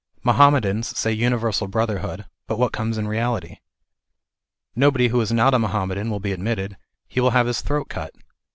Mohammedans say uni versal brotherhood, but what comes in reality ? Nobody who is not a Mohammedan will be admitted ; he will have his throat cut.